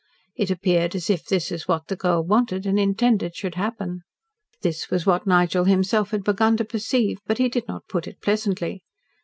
It appeared as if that was what the girl wanted, and intended should happen. This was what Nigel himself had begun to perceive, but he did not put it pleasantly.